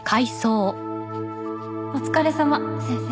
お疲れさま先生。